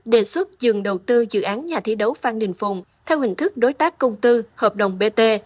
đề xuất dừng đầu tư dự án nhà thi đấu phan đình phùng theo hình thức đối tác công tư hợp đồng bt